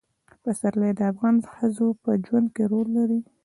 پسرلی د افغان ښځو په ژوند کې رول لري.